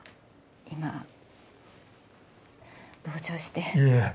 今同情していえ！